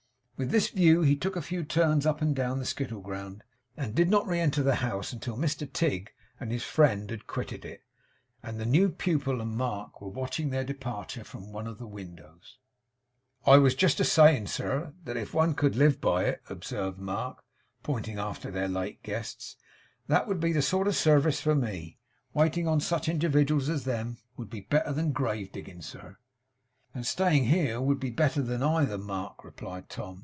With this view he took a few turns up and down the skittle ground, and did not re enter the house until Mr Tigg and his friend had quitted it, and the new pupil and Mark were watching their departure from one of the windows. 'I was just a saying, sir, that if one could live by it,' observed Mark, pointing after their late guests, 'that would be the sort of service for me. Waiting on such individuals as them would be better than grave digging, sir.' 'And staying here would be better than either, Mark,' replied Tom.